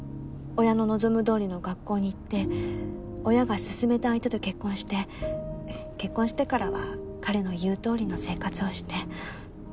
親の望むどおりの学校に行って親が薦めた相手と結婚して結婚してからは彼の言うとおりの生活をして。